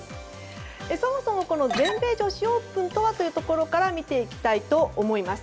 そもそも全米女子オープンとはというところから見ていきたいと思います。